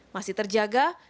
masih terjaga dan berhasil